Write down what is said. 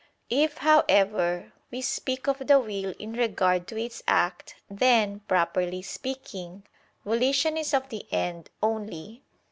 If, however, we speak of the will in regard to its act, then, properly speaking, volition is of the end only.